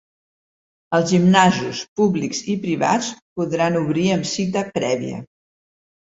Els gimnasos públics i privats podran obrir amb cita prèvia.